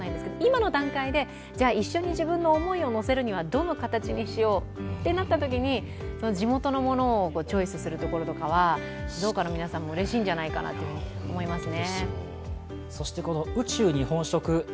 今の段階で一緒に自分の思いを乗せるにはどの形にしようってなったときに地元のものをチョイスするところとかは、農家の皆さんもうれしいんじゃないかなと思いますね。